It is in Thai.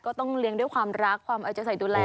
ก็ต้องเลี้ยงด้วยความรักความเอาใจใส่ดูแล